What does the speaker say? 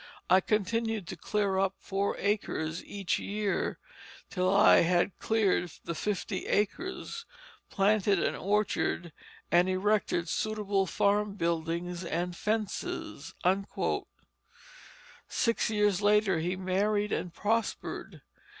I continued to clear up four acres each year till I had cleared the fifty acres, planted an orchard and erected suitable farm buildings and fences." Six years later he married and prospered.